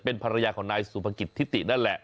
เป็นภรรยาของนายสุภกิจทิตินั่นแหละ